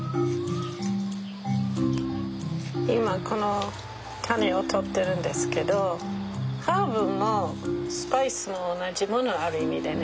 今このタネを取ってるんですけどハーブもスパイスも同じものある意味でね。